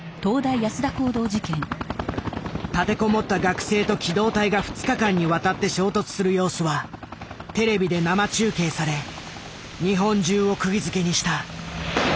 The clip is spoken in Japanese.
立て籠もった学生と機動隊が２日間にわたって衝突する様子はテレビで生中継され日本中をくぎづけにした。